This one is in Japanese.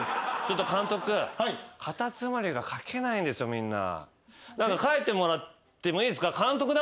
みんな。